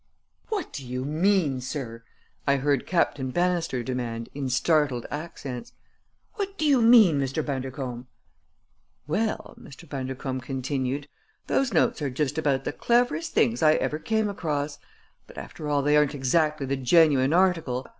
"What do you mean, sir?" I heard Captain Bannister demand in startled accents. "What do you mean, Mr. Bundercombe?" "Well," Mr. Bundercombe continued, "those notes are just about the cleverest things I ever came across; but, after all, they aren't exactly the genuine article.